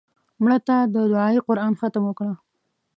مړه ته د دعایي قرآن ختم وکړه